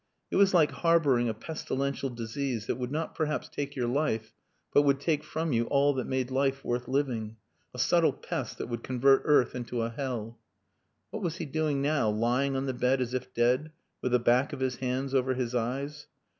It was like harbouring a pestilential disease that would not perhaps take your life, but would take from you all that made life worth living a subtle pest that would convert earth into a hell. What was he doing now? Lying on the bed as if dead, with the back of his hands over his eyes?